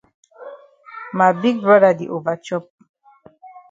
Ma big broda di over chop.